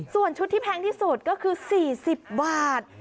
ส่วนชุดที่แพงที่สุดก็คือ๔๐บาท